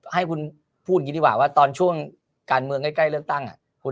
ให้คุณพูดดีว่าว่าตอนช่วงการเมืองใกล้เริ่มตั้งอ่ะคุณ